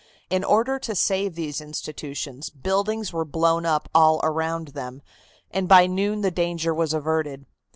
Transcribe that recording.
In order to save these institutions, buildings were blown up all around them, and by noon the danger was averted.